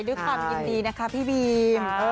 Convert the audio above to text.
ด้วยความยินดีนะคะพี่บีม